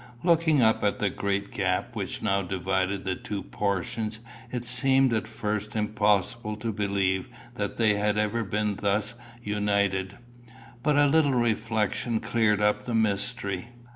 Looking up at the great gap which now divided the two portions, it seemed at first impossible to believe that they had ever been thus united; but a little reflection cleared up the mystery.